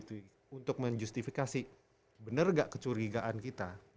itu untuk menjustifikasi benar gak kecurigaan kita